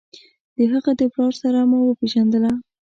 د هغه د پلار سره مو پېژندله.